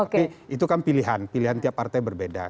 tapi itu kan pilihan pilihan tiap partai berbeda